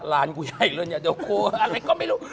กูใหญ่เลยเนี่ยเดี๋ยวกูอะไรก็ไม่รู้